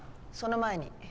その前に。